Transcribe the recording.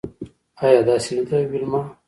ایا داسې نده ویلما